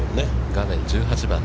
画面１８番。